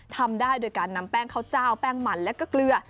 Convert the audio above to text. ทำได้โดยการนำแป้งข้าวเจ้าแป้งมันแล้วก็เกลือ